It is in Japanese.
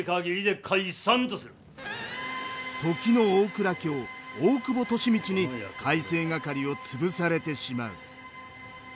時の大蔵卿大久保利通に改正掛を潰されてしまう。